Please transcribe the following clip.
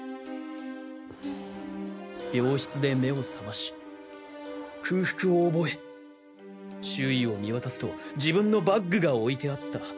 病室で目を覚まし空腹を覚え周囲を見渡すと自分のバッグが置いてあった。